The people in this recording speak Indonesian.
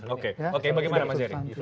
oke bagaimana mas jerry